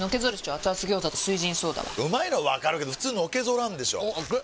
アツアツ餃子と「翠ジンソーダ」はうまいのはわかるけどフツーのけぞらんでしょアツ！